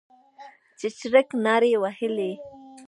چرچرک نارې وهلې.